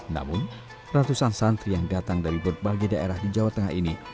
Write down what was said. namun ratusan santri yang datang dari berbagai daerah di jawa tengah ini